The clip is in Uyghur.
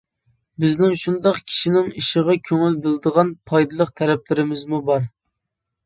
بىزنىڭ شۇنداق كىشىنىڭ ئىشىغا كۆڭۈل بولىدىغان پايدىلىق تەرەپلىرىمىزمۇ بار.